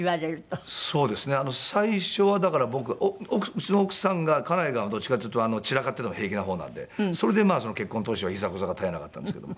うちの奥さんが家内がどっちかっていうと散らかってても平気な方なんでそれで結婚当初はいざこざが絶えなかったんですけども。